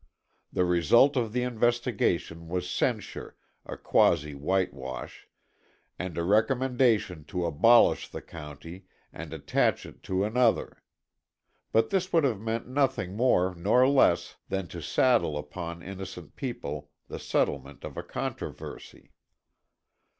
The result of the investigation was censure, a quasi whitewash, and a recommendation to abolish the county and attach it to another. But this would have meant nothing more nor less than to saddle upon innocent people the settlement of a controversy.